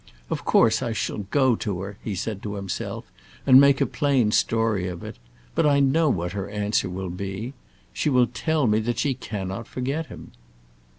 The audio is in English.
"Of course I shall go to her," he said to himself, "and make a plain story of it. But I know what her answer will be. She will tell me that she cannot forget him."